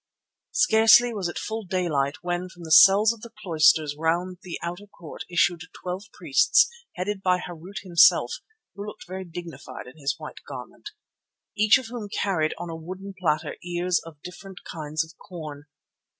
Scarcely was it full daylight when from the cells of the cloisters round the outer court issued twelve priests headed by Harût himself, who looked very dignified in his white garment, each of whom carried on a wooden platter ears of different kinds of corn.